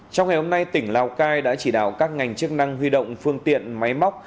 trong ngày hôm nay tỉnh lào cai đã chỉ đạo các ngành chức năng huy động phương tiện máy móc